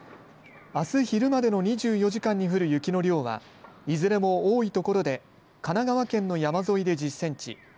あす昼までの２４時間に降る雪の量はいずれも多い所で神奈川県の山沿いで１０センチ